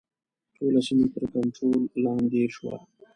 ټوله سیمه تر کنټرول لاندې شوه.